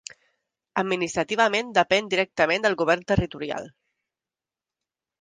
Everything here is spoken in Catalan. Administrativament depèn directament del govern territorial.